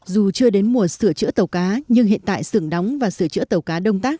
dù chưa đến mùa sửa chữa tàu cá nhưng hiện tại xưởng đóng và sửa chữa tàu cá đông tác